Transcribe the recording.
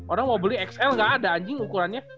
orang mau beli xl nggak ada anjing ukurannya